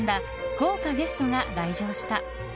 豪華ゲストが来場した。